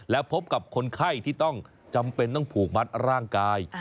และพบกับคนไข้ที่ต้องจำเป็นต้องผูกมัดร่างกาย